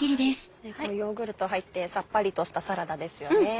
ヨーグルト入ってさっぱりとしたサラダですよね。